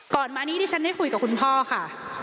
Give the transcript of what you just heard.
ก่อนมานี้ที่ฉันได้คุยกับคุณพ่อค่ะ